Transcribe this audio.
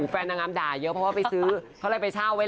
แฟนน้ำด่าเยอะเพราะว่าไปซื้อเพราะอะไรไปเช่าไว้แล้ว